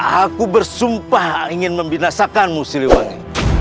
aku bersumpah ingin membinasakanmu siliwangi